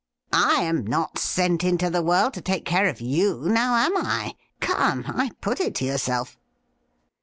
I am not sent into the world to take care of you — now am I ? Come, I put it to yourself.'